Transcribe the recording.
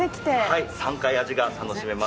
はい、３回味が楽しめます。